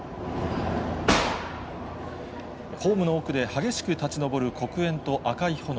ホームの奥で激しく立ち上る黒煙と赤い炎。